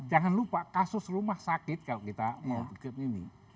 jangan lupa kasus rumah sakit kalau kita mau bikin ini